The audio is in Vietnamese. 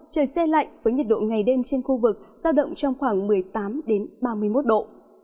trời xe lạnh với nhiệt độ ngày đêm trên khu vực giao động trong khoảng một mươi tám ba mươi một độ